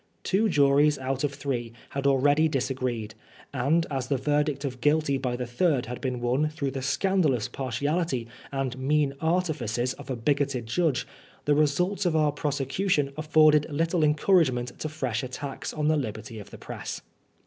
Two juries out of three had already disagreed, and as the verdict of Guilty by the third had been won through the scandalous partiality and mean artifices of a bigoted judge, the results of our prosecution afforded little encouragement to fresh attacks on the liberty of the press.